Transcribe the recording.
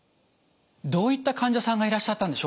どういった患者さんがいらっしゃったんでしょうか。